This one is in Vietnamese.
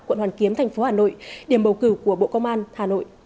quận hoàn kiếm thành phố hà nội điểm bầu cử của bộ công an hà nội